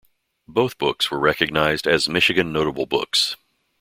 Both books were recognized as Michigan Notable Books.